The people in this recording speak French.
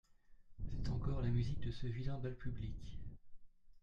C’est encore la musique de ce vilain bal public…